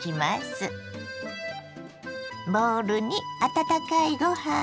ボウルに温かいご飯